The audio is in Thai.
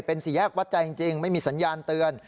เป็นสี่แยกวัดใจจริงไม่มีสัญญาณเตือน